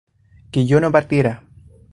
que yo no partiera